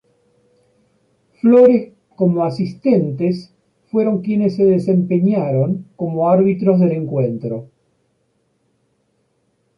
Flores como asistentes, fueron quienes se desempeñaron como árbitros del encuentro.